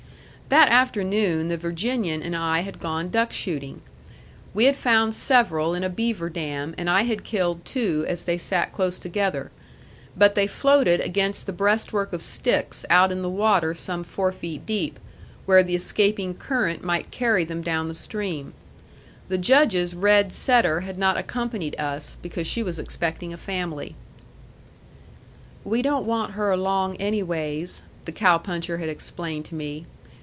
That afternoon the Virginian and I had gone duck shooting. We had found several in a beaver dam, and I had killed two as they sat close together; but they floated against the breastwork of sticks out in the water some four feet deep, where the escaping current might carry them down the stream. The Judge's red setter had not accompanied us, because she was expecting a family. "We don't want her along anyways," the cow puncher had explained to me.